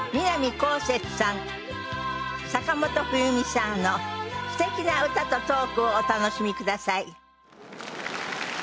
こうせつさん坂本冬美さんのすてきな歌とトークをお楽しみください